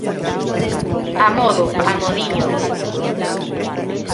Amodo, amodiño.